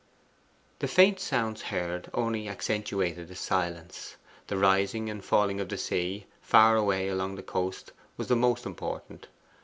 The faint sounds heard only accentuated the silence. The rising and falling of the sea, far away along the coast, was the most important.